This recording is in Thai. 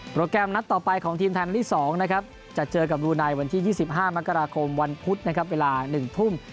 แกรมนัดต่อไปของทีมไทยที่๒นะครับจะเจอกับบรูไนวันที่๒๕มกราคมวันพุธนะครับเวลา๑ทุ่ม